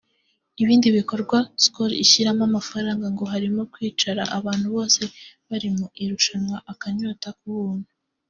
Ibindi bikorwa Skol ishyiramo amafaranga ngo harimo kwicira abantu bose bari mu irushanwa akanyota ku buntu